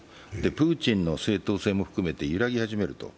プーチンの正当性も含めて揺らぎ始めると。